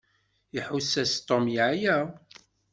Iḥuss-as Tom yeɛya.